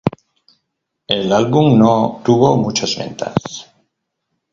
El álbum no tuvo muchas ventas.